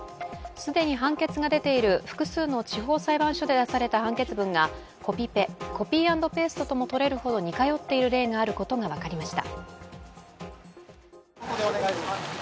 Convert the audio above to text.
既に判決が出ている複数の地方裁判所で出された判決文がコピペ、コピー＆ペーストともとれるほど似通っている例があることが分かりました。